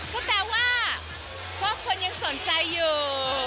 ก็แปลว่าเพราะว่าคนยังสนใจอยู่